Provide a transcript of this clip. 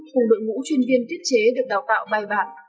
cùng đội ngũ chuyên viên tiết chế được đào tạo bài bản